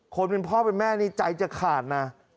คนเป็นพ่อเป็นแม่นี่ใจจะขาดนะ